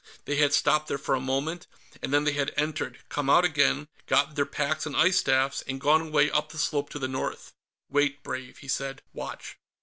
They had stopped there for a moment, and then they had entered, come out again, gotten their packs and ice staffs, and gone away, up the slope to the north. "Wait, Brave," he said. "Watch."